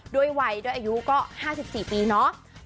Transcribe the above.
ด้วยวัยด้วยอายุก็๕๔ปีเนาะ